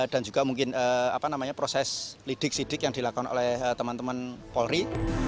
dan juga mungkin proses lidik sidik yang dilakukan oleh teman teman polri